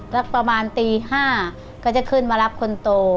แล้วก็ประมาณตีห้าก็จะขึ้นมารับคนโต